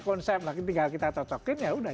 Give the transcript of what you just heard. konsep lagi tinggal kita cocokin ya udah